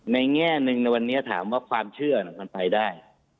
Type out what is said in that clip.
แง่หนึ่งในวันนี้ถามว่าความเชื่อมันไปได้